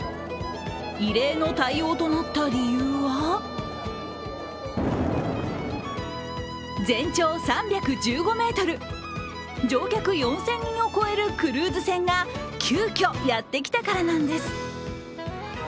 異例の対応となった理由は全長３１５ｍ、乗客４０００人を超えるクルーズ船が急きょ、やってきたからなんです。